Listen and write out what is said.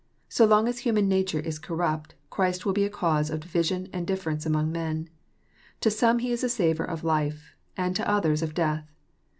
So long as human nature is corrupt, Christ will be a cause of division and difference among men. To some He Is a savour of life, and to others of death.